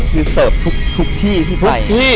คือเสิร์ฟทุกที่ที่ไป